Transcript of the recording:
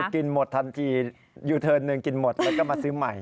กินหมดทันทียูเทิร์นหนึ่งกินหมดแล้วก็มาซื้อใหม่